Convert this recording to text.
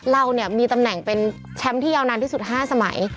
เราเนี่ยมีตำแหน่งเป็นแชมป์ที่ยาวนานที่สุด๕สมัย